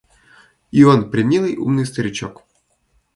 И он премилый, умный старичок.